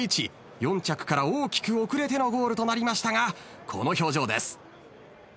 ４着から大きく遅れてのゴールとなりましたがこの表情です。